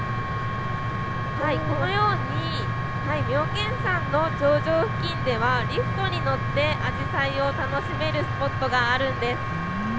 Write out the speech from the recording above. はい、このように妙見山の頂上付近ではリフトに乗ってアジサイを楽しめるスポットがあるんです。